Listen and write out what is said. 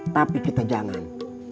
tapi kita jangan